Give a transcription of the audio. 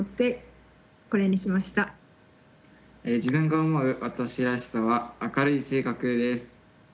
自分が思う私らしさは「明るい性格」です。